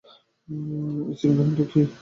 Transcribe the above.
স্ত্রী নহেন তো কী!